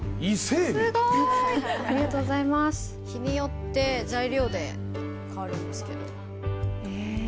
日によって材料で変わるんですけど。